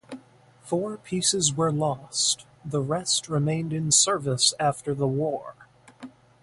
Four pieces were lost; the rest remained in service after the war.